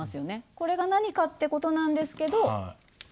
これが何かってことなんですけど。